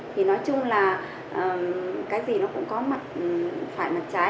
thì nói chung là cái gì nó cũng có mặt phải mặt trái